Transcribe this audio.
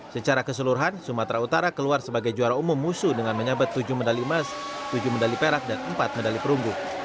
secara keseluruhan sumatera utara keluar sebagai juara umum musuh dengan menyabet tujuh medali emas tujuh medali perak dan empat medali perunggu